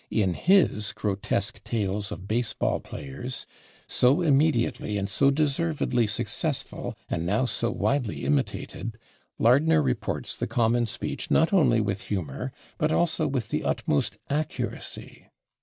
In his grotesque tales of base ball players, so immediately and so deservedly successful and now so widely imitated, Lardner reports the common speech not only with humor, but also with the utmost accuracy.